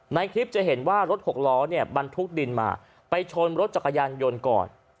ในคลิปจะเห็นว่ารถหกล้อเนี่ยบรรทุกดินมาไปชนรถจักรยานยนต์ก่อน